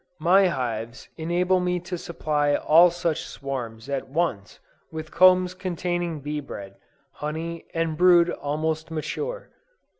My hives enable me to supply all such swarms at once with combs containing bee bread, honey and brood almost mature.